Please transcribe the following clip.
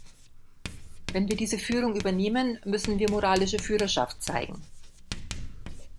Wenn wir diese Führung übernehmen, müssen wir moralische Führerschaft zeigen.